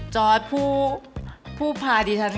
จอร์ดผู้พาดิฉัน